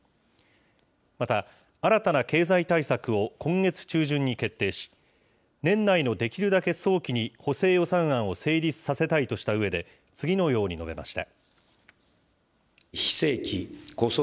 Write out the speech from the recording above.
また、新たな経済対策を今月中旬に決定し、年内のできるだけ早期に補正予算案を成立させたいとしたうえで、次のように述べました。